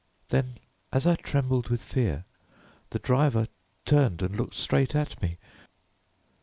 Then, as I trembled with fear, the driver turned and looked straight at me.